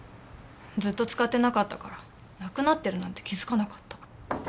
ずっと使ってなかったからなくなってるなんて気付かなかった。